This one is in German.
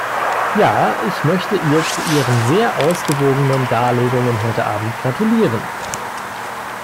Ja, ich möchte ihr zu ihren sehr ausgewogenen Darlegungen heute Abend gratulieren.